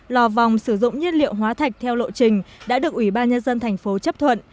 lò vòng sử dụng nhiên liệu hóa thạch theo lộ trình đã được ubnd tp hcm chấp thuận